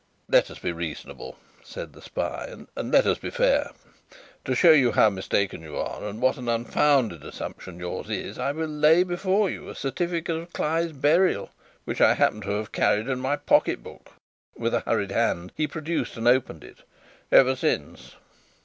"Let us be reasonable," said the spy, "and let us be fair. To show you how mistaken you are, and what an unfounded assumption yours is, I will lay before you a certificate of Cly's burial, which I happened to have carried in my pocket book," with a hurried hand he produced and opened it, "ever since.